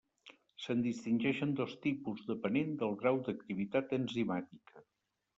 Se’n distingeixen dos tipus depenent del grau d’activitat enzimàtica.